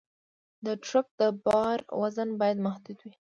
د ټرک د بار وزن باید محدود وي.